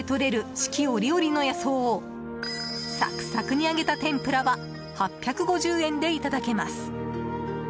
四季折々の野草をサクサクに揚げた天ぷらは８５０円でいただけます。